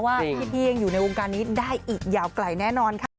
พี่ยังอยู่ในวงการนี้ได้อีกยาวไกลแน่นอนค่ะ